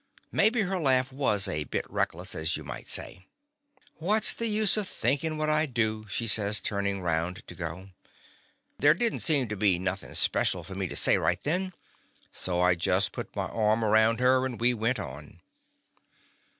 Mebby her laugh was a bit reckless, as you might say. "What 's the use thinkin' what I 'd do?" she says, turnin' round to go. There did n't seem to be nothing special for me to say right then, so I just put my arm around her, and we went on.